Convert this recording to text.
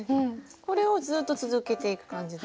これをずっと続けていく感じで？